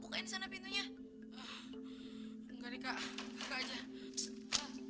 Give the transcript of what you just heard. enggak sayang takut biarin aja dia tahu